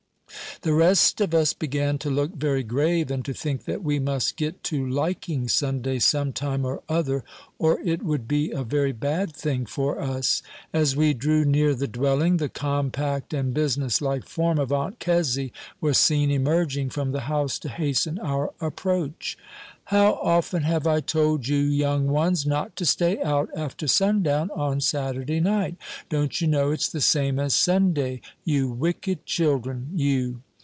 The rest of us began to look very grave, and to think that we must get to liking Sunday some time or other, or it would be a very bad thing for us. As we drew near the dwelling, the compact and business like form of Aunt Kezzy was seen emerging from the house to hasten our approach. "How often have I told you, young ones, not to stay out after sundown on Saturday night? Don't you know it's the same as Sunday, you wicked children, you?